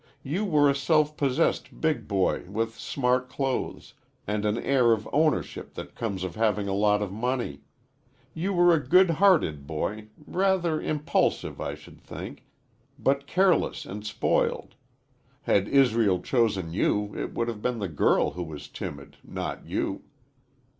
"You were a self possessed big boy, with smart clothes, and an air of ownership that comes of having a lot of money. You were a good hearted boy, rather impulsive, I should think, but careless and spoiled. Had Israel chosen you it would have been the girl who was timid, not you."